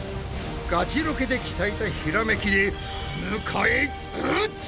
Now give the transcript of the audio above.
ガチロケで鍛えたひらめきで迎え撃つ！